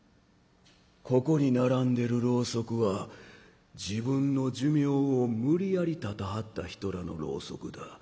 ここに並んでるろうそくは自分の寿命を無理やり絶たはった人らのろうそくだ。